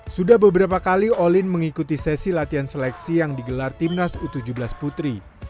sudah beberapa kali olin mengikuti sesi latihan seleksi yang digelar timnas u tujuh belas putri